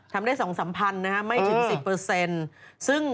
ทำได้๒๓พันไม่ถึง๑๐